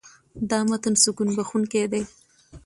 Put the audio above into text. دا متن سکون بښونکی دی.